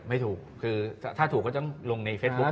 ไม่ถูกคือถ้าถูกก็ต้องลงในเฟซบุ๊ค